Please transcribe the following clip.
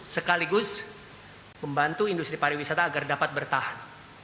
sekaligus membantu industri pariwisata agar dapat bertahan